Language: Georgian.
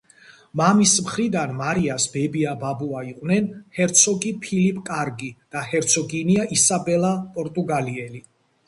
მამის მხრიდან მარიას ბებია-ბაბუა იყვნენ ჰერცოგი ფილიპ კარგი და ჰერცოგინია ისაბელა პორტუგალიელი.